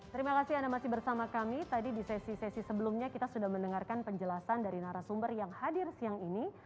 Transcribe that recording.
terima kasih anda masih bersama kami tadi di sesi sesi sebelumnya kita sudah mendengarkan penjelasan dari narasumber yang hadir siang ini